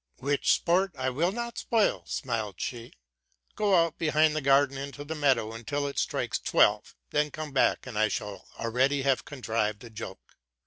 '?—'* Which sport I will not spoil," smiled she: '* go out behind the garden into the meadow until it strikes twelve, then come back; and I shall already have contrived the joke.